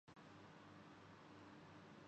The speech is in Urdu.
پھر آج کس نے سخن ہم سے غائبانہ کیا